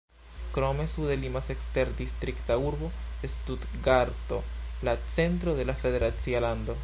Krome sude limas eksterdistrikta urbo Stutgarto, la centro de la federacia lando.